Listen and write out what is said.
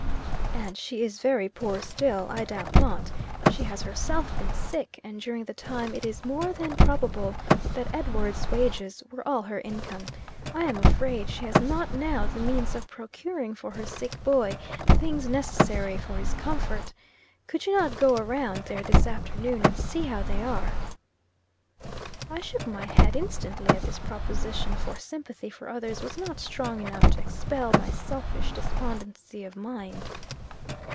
"And she is very poor still, I doubt not. She has herself been sick, and during the time it is more than probable that Edward's wages were all her income. I am afraid she has not now the means of procuring for her sick boy things necessary for his comfort. Could you not go around there this afternoon, and see how they are?" I shook my head instantly at this proposition, for sympathy for others was not strong enough to expel my selfish despondency of mind.